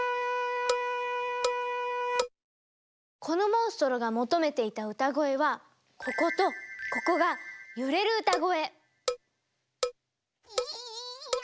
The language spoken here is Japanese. このモンストロが求めていた歌声はこことここが揺れる歌声。